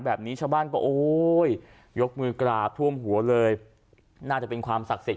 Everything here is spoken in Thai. แบบนี้ชาวบ้านก็โอ้ยยกมือกราบท่วมหัวเลยน่าจะเป็นความศักดิ์สิทธ